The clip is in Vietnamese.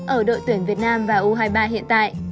ở đội tuyển việt nam và u hai mươi ba hiện tại